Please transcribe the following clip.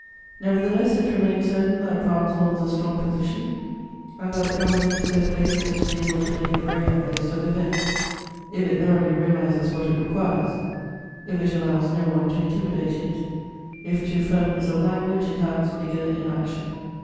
Nevertheless, it remains certain that France holds a strong position and that the Government is so placed as to be able to make the very utmost of events, if it thoroughly realizes what it requires, if it allows no one to intimidate it, if to firmness of language it adds vigour in action.